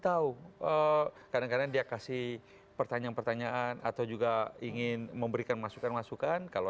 tahu kadang kadang dia kasih pertanyaan pertanyaan atau juga ingin memberikan masukan masukan kalau